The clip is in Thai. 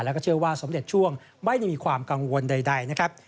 แล้วก็เชื่อว่าสมเด็จช่วงไม่ได้มีความกังวลใดนะครับ